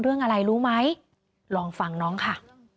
เรื่องอะไรรู้ไหมลองฟังน้องค่ะ